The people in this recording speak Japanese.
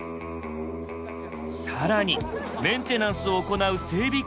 更にメンテナンスを行う整備